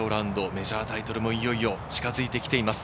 メジャータイトルもいよいよ近づいてきています。